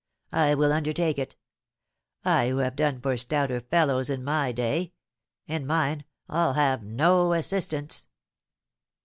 I will undertake it, I who have done for stouter fellows in my day; and mind, I'll have no assistance!"